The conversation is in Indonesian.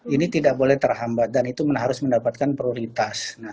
ini tidak boleh terhambat dan itu harus mendapatkan prioritas